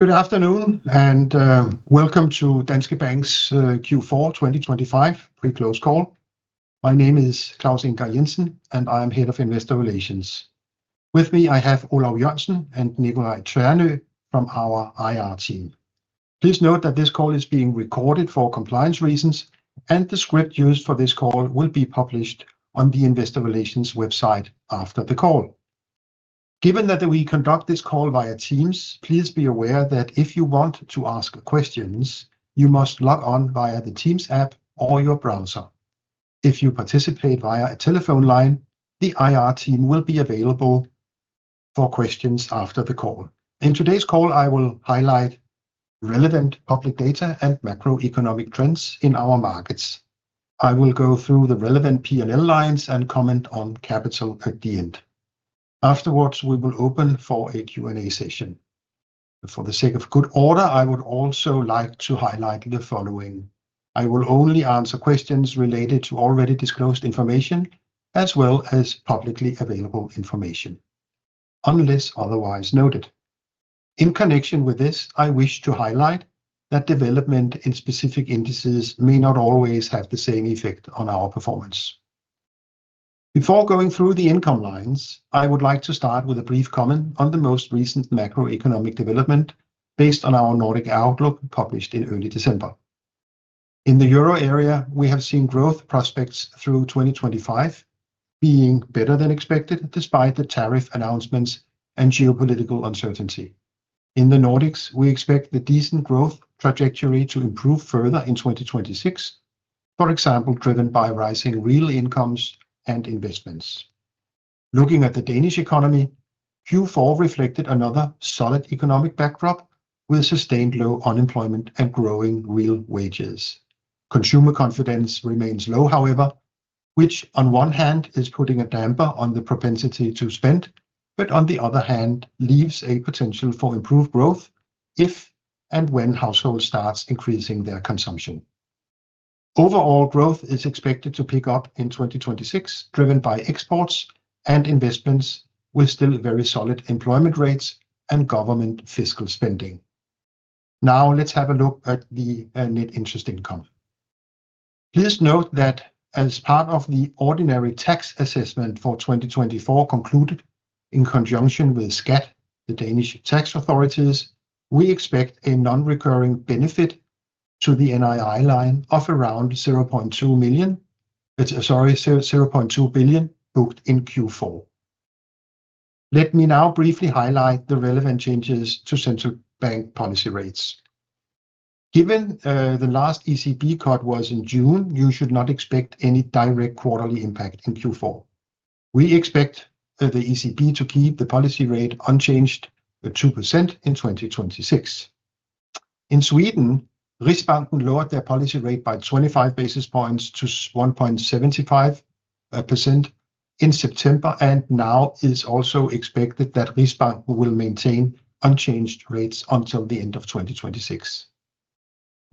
Good afternoon and welcome to Danske Bank's Q4 2025 pre-close call. My name is Claus Ingar Jensen, and I am Head of Investor Relations. With me, I have Olav Jørgensen and Nicolai Tørnøe from our IR team. Please note that this call is being recorded for compliance reasons, and the script used for this call will be published on the investor relations website after the call. Given that we conduct this call via Teams, please be aware that if you want to ask questions, you must log on via the Teams app or your browser. If you participate via a telephone line, the IR team will be available for questions after the call. In today's call, I will highlight relevant public data and macroeconomic trends in our markets. I will go through the relevant P&L lines and comment on capital at the end. Afterwards, we will open for a Q&A session. For the sake of good order, I would also like to highlight the following. I will only answer questions related to already disclosed information as well as publicly available information, unless otherwise noted. In connection with this, I wish to highlight that development in specific indices may not always have the same effect on our performance. Before going through the income lines, I would like to start with a brief comment on the most recent macroeconomic development based on our Nordic Outlook published in early December. In the Euro area, we have seen growth prospects through 2025 being better than expected despite the tariff announcements and geopolitical uncertainty. In the Nordics, we expect the decent growth trajectory to improve further in 2026, for example, driven by rising real incomes and investments. Looking at the Danish economy, Q4 reflected another solid economic backdrop with sustained low unemployment and growing real wages. Consumer confidence remains low, however, which on one hand is putting a damper on the propensity to spend, but on the other hand leaves a potential for improved growth if and when households start increasing their consumption. Overall, growth is expected to pick up in 2026, driven by exports and investments with still very solid employment rates and government fiscal spending. Now, let's have a look at the net interest income. Please note that as part of the ordinary tax assessment for 2024 concluded in conjunction with SKAT, the Danish tax authorities, we expect a non-recurring benefit to the NII line of around 0.2 million, sorry, 0.2 billion booked in Q4. Let me now briefly highlight the relevant changes to central bank policy rates. Given the last ECB cut was in June, you should not expect any direct quarterly impact in Q4. We expect the ECB to keep the policy rate unchanged at 2% in 2026. In Sweden, Riksbank lowered their policy rate by 25 basis points to 1.75% in September, and now it is also expected that Riksbank will maintain unchanged rates until the end of 2026.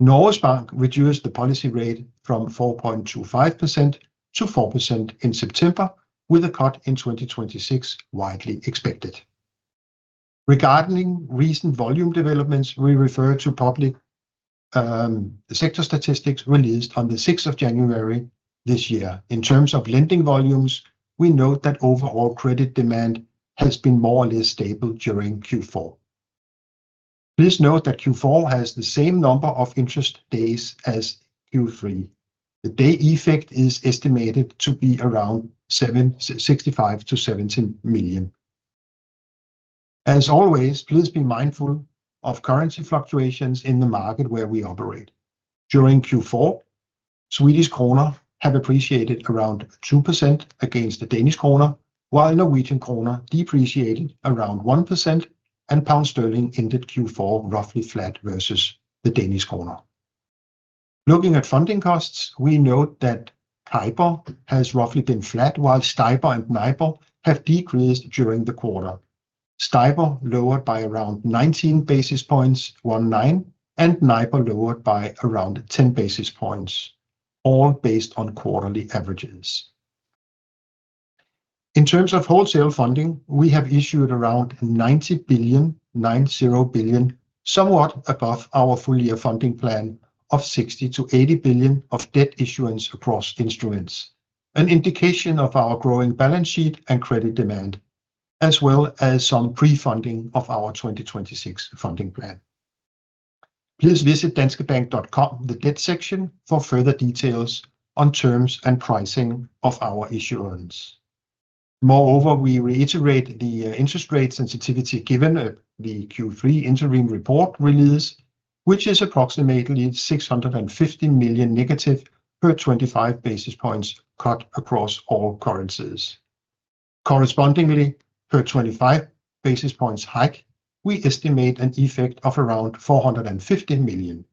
Norges Bank reduced the policy rate from 4.25%-4% in September, with a cut in 2026 widely expected. Regarding recent volume developments, we refer to public sector statistics released on the 6th of January this year. In terms of lending volumes, we note that overall credit demand has been more or less stable during Q4. Please note that Q4 has the same number of interest days as Q3. The day effect is estimated to be around 65 million-70 million. As always, please be mindful of currency fluctuations in the market where we operate. During Q4, Swedish krona have appreciated around 2% against the Danish krona, while Norwegian krona depreciated around 1%, and pound sterling ended Q4 roughly flat versus the Danish krona. Looking at funding costs, we note that CIBOR has roughly been flat, while STIBOR and NIBOR have decreased during the quarter. STIBOR lowered by around 19 basis points, 1.9, and NIBOR lowered by around 10 basis points, all based on quarterly averages. In terms of wholesale funding, we have issued around 90 billion, somewhat above our full year funding plan of 60 billion-80 billion of debt issuance across instruments, an indication of our growing balance sheet and credit demand, as well as some pre-funding of our 2026 funding plan. Please visit danskebank.com, the debt section, for further details on terms and pricing of our issuance. Moreover, we reiterate the interest rate sensitivity given the Q3 interim report release, which is approximately 650 million negative per 25 basis points cut across all currencies. Correspondingly, per 25 basis points hike, we estimate an effect of around 450 million.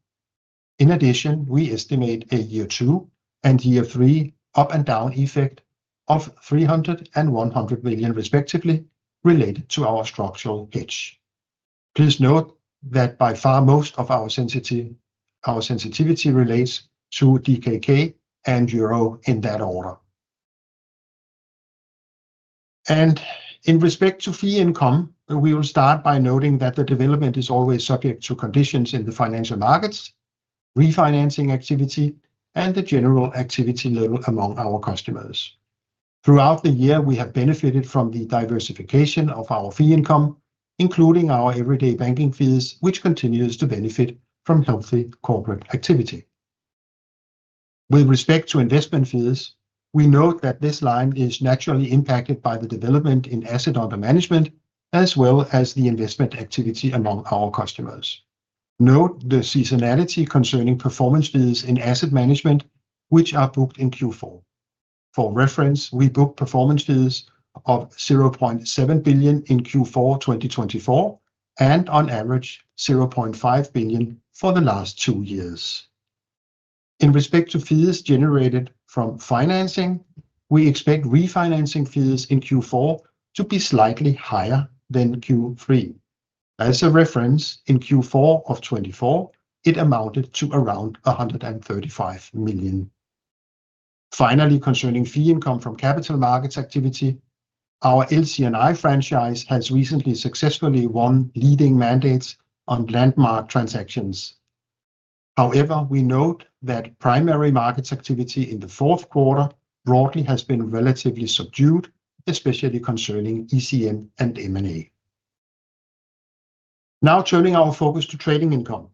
In addition, we estimate a year two and year three up and down effect of 300 million and 100 million, respectively, related to our structural hedge. Please note that by far most of our sensitivity relates to DKK and Euro in that order. And in respect to fee income, we will start by noting that the development is always subject to conditions in the financial markets, refinancing activity, and the general activity level among our customers. Throughout the year, we have benefited from the diversification of our fee income, including our everyday banking fees, which continues to benefit from healthy corporate activity. With respect to investment fees, we note that this line is naturally impacted by the development in asset under management as well as the investment activity among our customers. Note the seasonality concerning performance fees in asset management, which are booked in Q4. For reference, we booked performance fees of 0.7 billion in Q4 2024 and on average 0.5 billion for the last two years. In respect to fees generated from financing, we expect refinancing fees in Q4 to be slightly higher than Q3. As a reference, in Q4 of 2024, it amounted to around 135 million. Finally, concerning fee income from capital markets activity, our LC&I franchise has recently successfully won leading mandates on landmark transactions. However, we note that primary markets activity in the fourth quarter broadly has been relatively subdued, especially concerning ECM and M&A. Now turning our focus to trading income,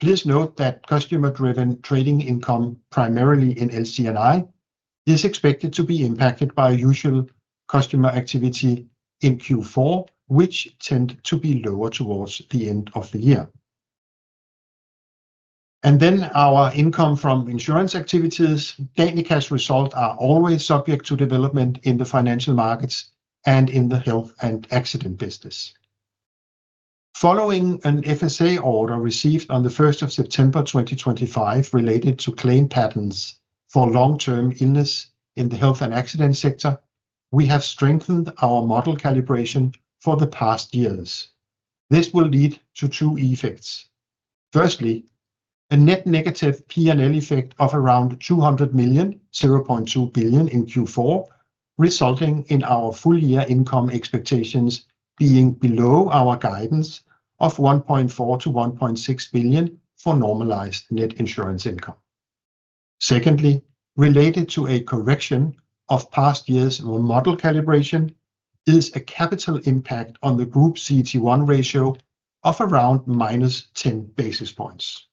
please note that customer-driven trading income, primarily in LC&I, is expected to be impacted by usual customer activity in Q4, which tend to be lower towards the end of the year. And then our income from insurance activities, Danica's results are always subject to development in the financial markets and in the health and accident business. Following an FSA order received on the 1st of September 2025 related to claim patterns for long-term illness in the health and accident sector, we have strengthened our model calibration for the past years. This will lead to two effects. Firstly, a net negative P&L effect of around 200 million, 0.2 billion in Q4, resulting in our full year income expectations being below our guidance of 1.4 billion-1.6 billion for normalized net insurance income. Secondly, related to a correction of past year's model calibration, is a capital impact on the group CET1 ratio of around minus 10 basis points.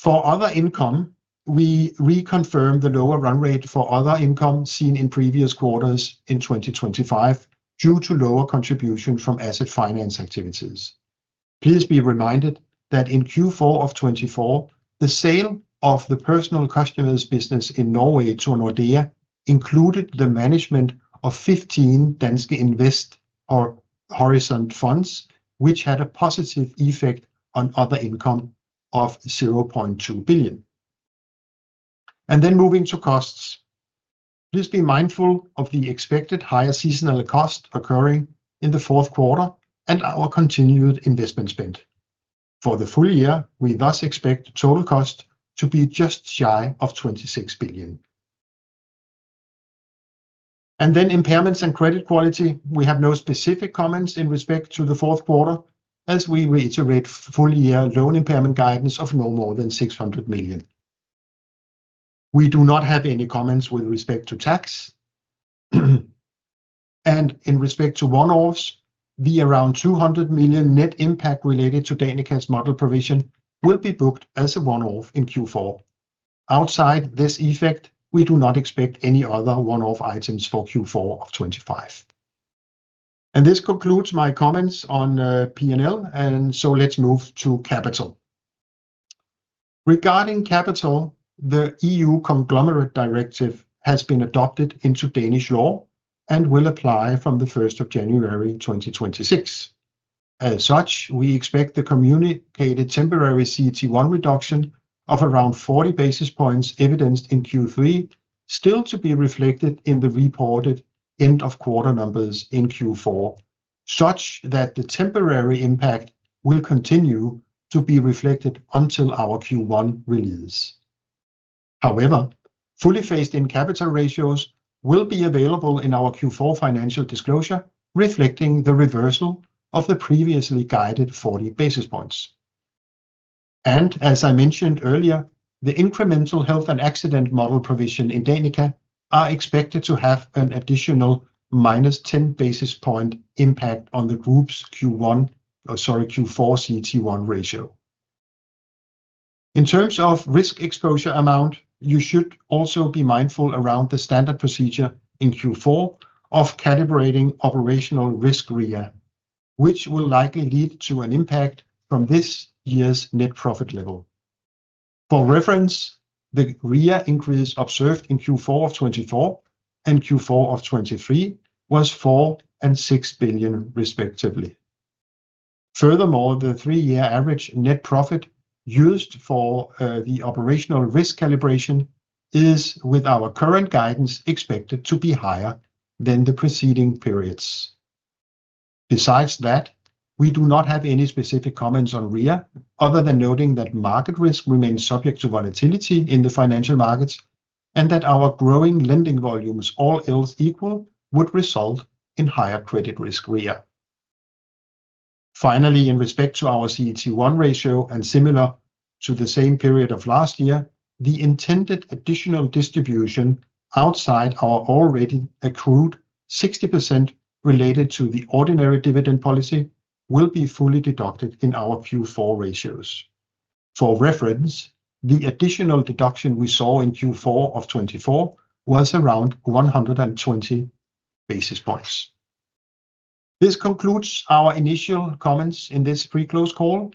For other income, we reconfirm the lower run rate for other income seen in previous quarters in 2025 due to lower contribution from asset finance activities. Please be reminded that in Q4 of 2024, the sale of the personal customers' business in Norway to Nordea included the management of 15 Danske Invest or Horizon funds, which had a positive effect on other income of 0.2 billion. Then moving to costs, please be mindful of the expected higher seasonal cost occurring in the fourth quarter and our continued investment spend. For the full year, we thus expect total cost to be just shy of 26 billion, and then impairments and credit quality, we have no specific comments in respect to the fourth quarter as we reiterate full year loan impairment guidance of no more than 600 million. We do not have any comments with respect to tax, and in respect to one-offs, the around 200 million net impact related to Danica's model provision will be booked as a one-off in Q4. Outside this effect, we do not expect any other one-off items for Q4 of 2025. This concludes my comments on P&L, and so let's move to capital. Regarding capital, the EU Conglomerate Directive has been adopted into Danish law and will apply from the 1st of January 2026. As such, we expect the communicated temporary CET1 reduction of around 40 basis points evident in Q3 still to be reflected in the reported end of quarter numbers in Q4, such that the temporary impact will continue to be reflected until our Q1 release. However, fully phased-in capital ratios will be available in our Q4 financial disclosure, reflecting the reversal of the previously guided 40 basis points. And as I mentioned earlier, the incremental health and accident model provision in Danica are expected to have an additional minus 10 basis point impact on the group's Q1, sorry, Q4 CET1 ratio. In terms of risk exposure amount, you should also be mindful around the standard procedure in Q4 of calibrating operational risk REA, which will likely lead to an impact from this year's net profit level. For reference, the REA increase observed in Q4 of 2024 and Q4 of 2023 was 4 billion and 6 billion, respectively. Furthermore, the three-year average net profit used for the operational risk calibration is, with our current guidance, expected to be higher than the preceding periods. Besides that, we do not have any specific comments on REA other than noting that market risk remains subject to volatility in the financial markets and that our growing lending volumes, all else equal, would result in higher credit risk REA. Finally, in respect to our CET1 ratio and similar to the same period of last year, the intended additional distribution outside our already accrued 60% related to the ordinary dividend policy will be fully deducted in our Q4 ratios. For reference, the additional deduction we saw in Q4 of 2024 was around 120 basis points. This concludes our initial comments in this pre-close call.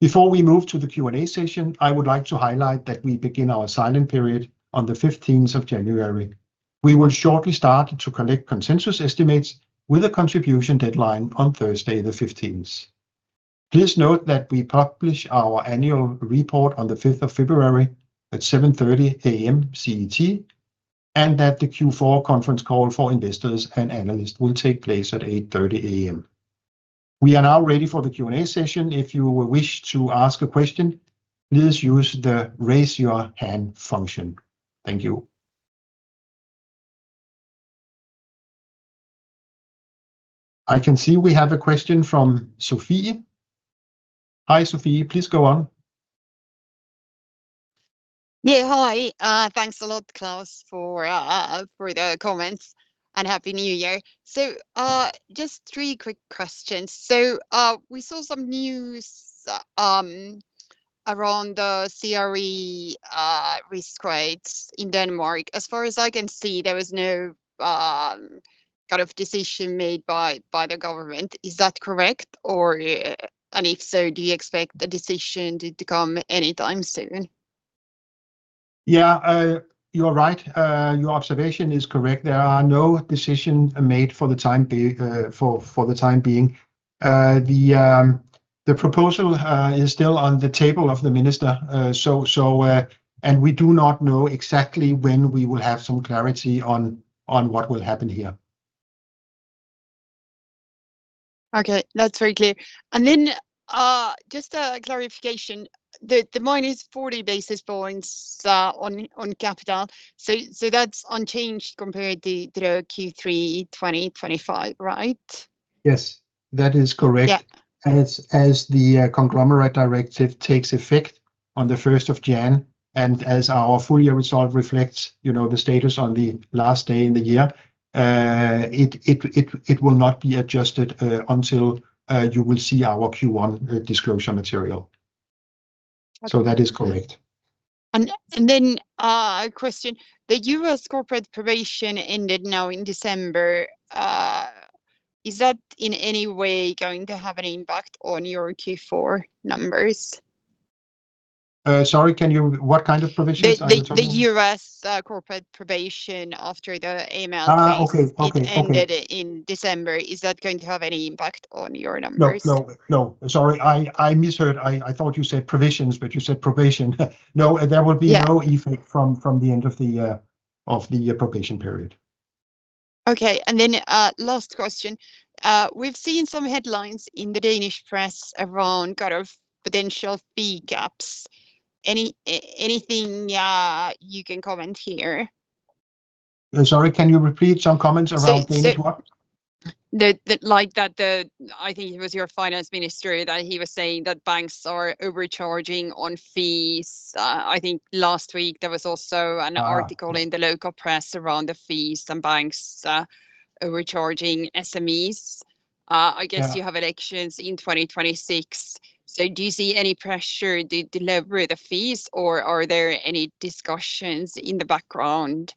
Before we move to the Q&A session, I would like to highlight that we begin our silent period on the 15th of January. We will shortly start to collect consensus estimates with a contribution deadline on Thursday the 15th. Please note that we publish our annual report on the 5th of February at 7:30 A.M. CET and that the Q4 conference call for investors and analysts will take place at 8:30 A.M. We are now ready for the Q&A session. If you wish to ask a question, please use the raise your hand function. Thank you. I can see we have a question from Sofie. Hi, Sofie, please go on. Yeah, hi, thanks a lot, Claus, for the comments and Happy New Year. So just three quick questions. So we saw some news around the CRE risk weights in Denmark. As far as I can see, there was no kind of decision made by the government. Is that correct? And if so, do you expect a decision to come anytime soon? Yeah, you're right. Your observation is correct. There are no decisions made for the time being. The proposal is still on the table of the minister, and we do not know exactly when we will have some clarity on what will happen here. Okay, that's very clear. And then just a clarification, the minus 40 basis points on capital, so that's unchanged compared to Q3 2025, right? Yes, that is correct. As the Conglomerate Directive takes effect on the 1st of January, and as our full year result reflects the status on the last day in the year, it will not be adjusted until you will see our Q1 disclosure material. So that is correct. And then a question. The U.S. corporate probation ended now in December. Is that in any way going to have an impact on your Q4 numbers? Sorry, can you what kind of provision? The U.S. corporate probation after the AML phase ended in December. Is that going to have any impact on your numbers? No, no, no. Sorry, I misheard. I thought you said provisions, but you said probation. No, there will be no effect from the end of the probation period. Okay, and then last question. We've seen some headlines in the Danish press around kind of potential fee gaps. Anything you can comment here? Sorry, can you repeat some comments around Danish? Like that, I think it was your finance minister that he was saying that banks are overcharging on fees. I think last week there was also an article in the local press around the fees and banks overcharging SMEs. I guess you have elections in 2026. So do you see any pressure to lower the fees, or are there any discussions in the background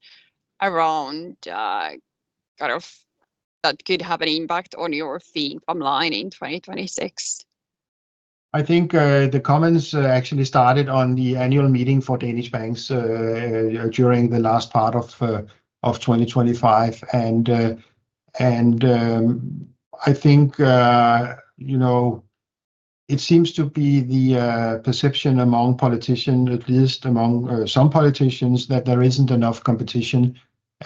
around kind of that could have an impact on your fee income in 2026? I think the comments actually started at the annual meeting for Danish banks during the last part of 2025. And I think it seems to be the perception among politicians, at least among some politicians, that there isn't enough competition.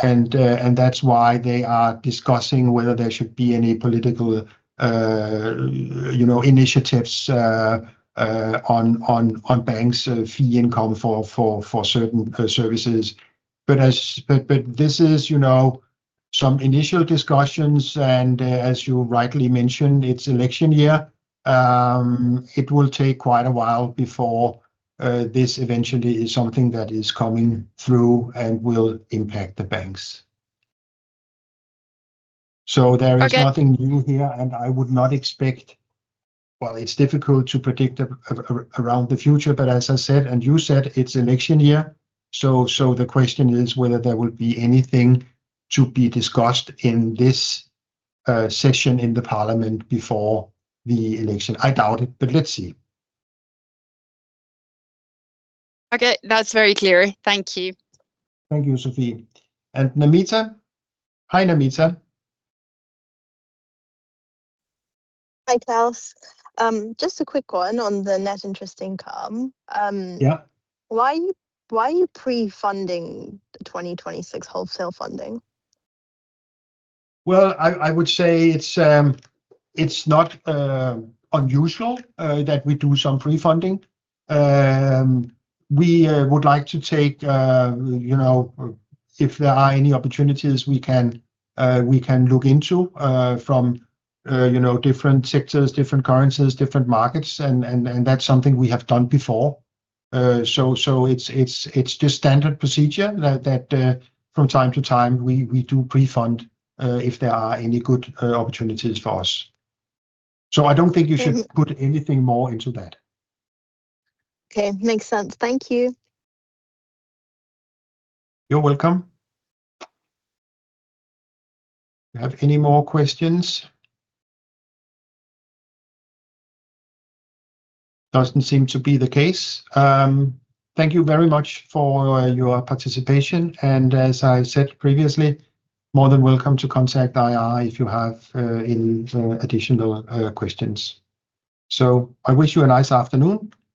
And that's why they are discussing whether there should be any political initiatives on banks' fee income for certain services. But this is some initial discussions. And as you rightly mentioned, it's election year. It will take quite a while before this eventually is something that is coming through and will impact the banks. So there is nothing new here, and I would not expect, well, it's difficult to predict around the future, but as I said, and you said it's election year. So the question is whether there will be anything to be discussed in this session in the parliament before the election. I doubt it, but let's see. Okay, that's very clear. Thank you. Thank you, Sophie. And Namita, hi Namita. Hi, Claus. Just a quick one on the net interest income. Why are you pre-funding 2026 wholesale funding? Well, I would say it's not unusual that we do some pre-funding. We would like to take, if there are any opportunities, we can look into from different sectors, different currencies, different markets. And that's something we have done before. So it's just standard procedure that from time to time we do pre-fund if there are any good opportunities for us. So I don't think you should put anything more into that. Okay, makes sense. Thank you. You're welcome. Do you have any more questions? Doesn't seem to be the case. Thank you very much for your participation. And as I said previously, more than welcome to contact IR if you have any additional questions. So I wish you a nice afternoon. Goodbye.